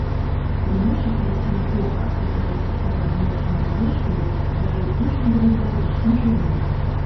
Уночы, калі сінагога асвятляецца скупа адзіночнымі свечкамі, звяры і птушкі выглядаюць зусім жывымі.